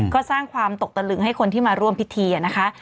ก็สร้างความตกตะลึงให้คนที่มาร่วมพิธีนะคะ